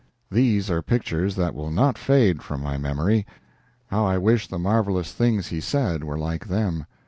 These are pictures that will not fade from my memory. How I wish the marvelous things he said were like them!